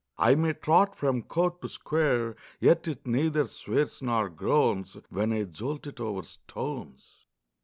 I may trot from court to square, Yet it neither swears nor groans, When I jolt it over stones."